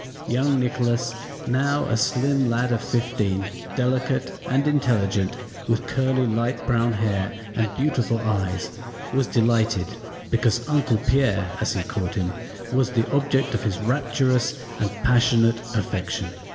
Young Nicholas, now a slim lad of fifteen, delicate and intelligent, with curly light brown hair and beautiful eyes, was delighted because Uncle Pierre as he called him was the object of his rapturous and passionate affection.